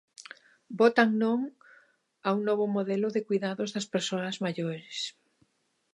"Votan 'non' a un novo modelo de coidados das persoas maiores".